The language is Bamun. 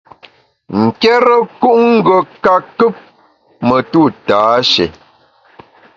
Nkérekut ngùe ka kùp metu tâshé.